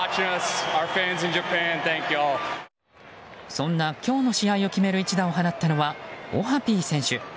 そんな今日の試合を決める一打を放ったのは、オハピー選手。